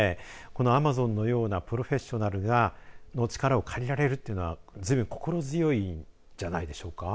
このアマゾンのようなプロフェッショナルが力を借りられるというのはずいぶん心強いんじゃないでしょうか。